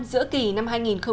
giữa kỳ năm hai nghìn một mươi tám